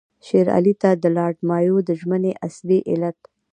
شېر علي ته د لارډ مایو د ژمنې اصلي علت.